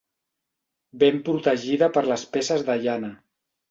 Ben protegida per les peces de llana.